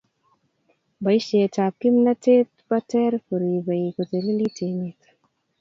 boishet ab kimnatet be ter koripee kotililit emet